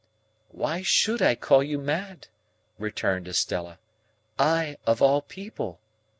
"Why should I call you mad," returned Estella, "I, of all people?